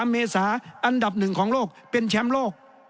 เมษาอันดับ๑ของโลกเป็นแชมป์โลก